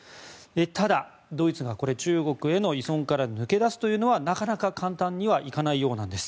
ただ、ドイツが中国への依存から抜け出すというのはなかなか簡単にはいかないようなんです。